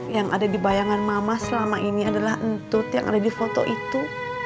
yang ada di bayangan mama selama ini adalah entut yang ada di foto itu